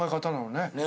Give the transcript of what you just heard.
ねえ。